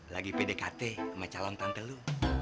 lagi pdkt sama calon tante lu